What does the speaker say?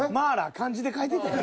漢字で書いてたやん。